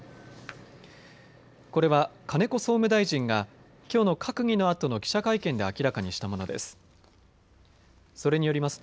これは金子総務大臣がきょうの閣議のあとの記者会見で明らかにしたものです。